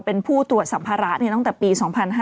เป็นผู้ตรวจสัมภาระตั้งแต่ปี๒๕๕๙